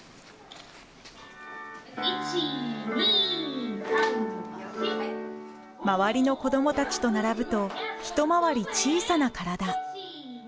「１２３４」周りの子どもたちと並ぶとひと回り小さな体。